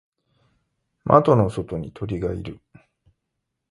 窓の外に鳥がいる。